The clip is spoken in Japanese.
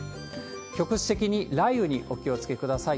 局地的に雷雨にお気をつけください。